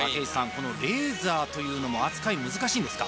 このレーザーというのも扱い難しいんですか？